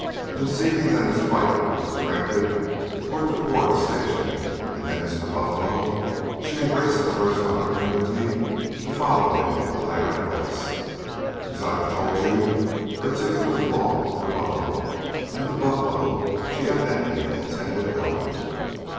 Conceiving that his flight was directed toward the Quarry Station, and thence to Buffalo, she embraced the first opportunity to follow him to the latter place. As I have told you, her ticket was bought for Buffalo, and to Buffalo she evidently intended going.